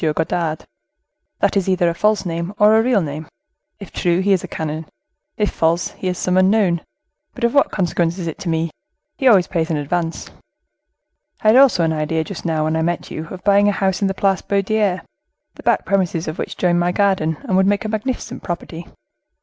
Godard. That is either a false name or a real name; if true, he is a canon; if false, he is some unknown; but of what consequence is it to me? he always pays in advance. I had also an idea just now, when I met you, of buying a house in the Place Baudoyer, the back premises of which join my garden, and would make a magnificent property.